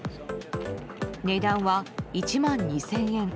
値段は１万２０００円。